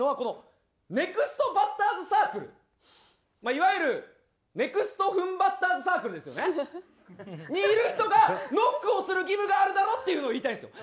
いわゆるネクストフンバッターズサークルですよね。にいる人がノックをする義務があるだろっていうのを言いたいんですよ。